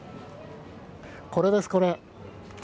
これです、これ。